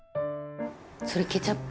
それケチャップ？